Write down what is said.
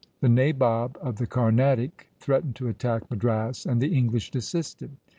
The Nabob of the Carnatic threatened to attack Madras, and the English desisted.